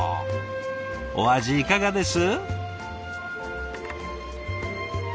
お味いかがです？